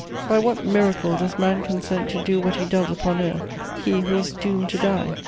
By what miracle does man consent to do what he does upon earth, he who is doomed to die?